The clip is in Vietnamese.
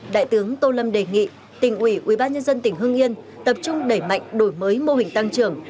đại tướng tô lâm đề nghị tỉnh ủy ubnd tỉnh hương yên tập trung đẩy mạnh đổi mới mô hình tăng trưởng